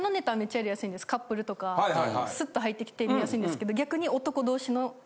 カップルとかスッと入ってきて見やすいんですけど。